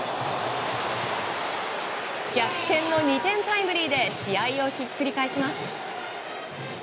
逆転の２点タイムリーで試合をひっくり返します。